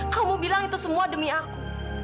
kamu bilang itu semua demi aku